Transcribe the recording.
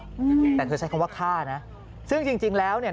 อืมแต่เธอใช้คำว่าฆ่านะซึ่งจริงจริงแล้วเนี่ย